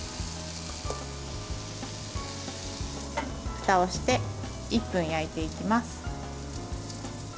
ふたをして１分焼いていきます。